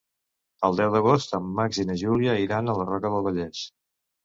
El deu d'agost en Max i na Júlia iran a la Roca del Vallès.